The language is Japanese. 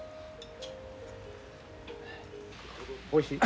おいしい？